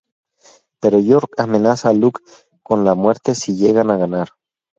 Pero York amenaza a Luke con la muerte si llegan a ganar.